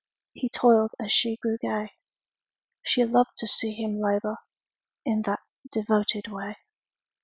He toiled as she grew gay. She loved to see him labor In that devoted way.